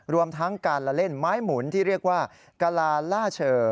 รวมทั้งการละเล่นไม้หมุนที่เรียกว่ากะลาล่าเชอ